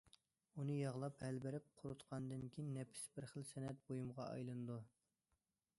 ئۇنى ياغلاپ، ھەل بېرىپ قۇرۇتقاندىن كېيىن نەپىس بىر خىل سەنئەت بۇيۇمغا ئايلىنىدۇ.